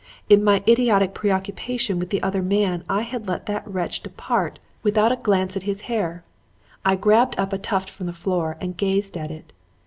In my idiotic preoccupation with the other man I had let that wretch depart without a glance at his hair. I grabbed up a tuft from the floor and gazed at it.